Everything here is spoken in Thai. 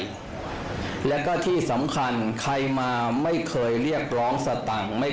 ก็เป็นเรื่องของความเชื่อความศรัทธาเป็นการสร้างขวัญและกำลังใจ